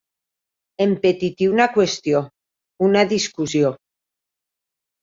Empetitir una qüestió, una discussió.